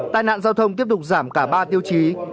tai nạn giao thông tiếp tục giảm cả ba tiêu chí